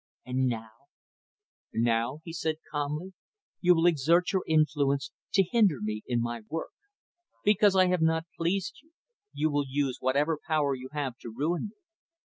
And now " "Now," he said calmly, "you will exert your influence to hinder me in my work. Because I have not pleased you, you will use whatever power you have to ruin me.